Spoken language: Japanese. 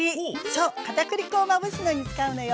そう片栗粉をまぶすのに使うのよ。